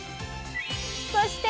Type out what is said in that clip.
そして！